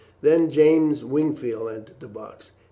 Then James Wingfield entered the box.